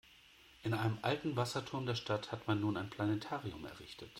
In einem alten Wasserturm der Stadt hat man nun ein Planetarium errichtet.